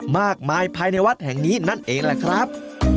มากมายภายในวัดแห่งนี้นั่นเองแหละครับ